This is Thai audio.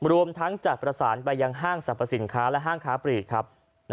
รวมทั้งจัดประสานไปยังห้างสรรพสินค้าและห้างค้าปลีกครับ